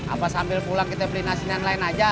apa sambil pulang kita beli nasi yang lain aja